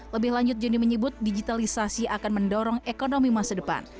lebih lanjut jonny menyebut digitalisasi akan mendorong ekonomi masa depan